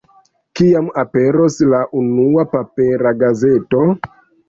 Kiam aperos la unua papera gazeto?